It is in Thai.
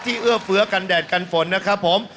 เอื้อเฟื้อกันแดดกันฝนนะครับผม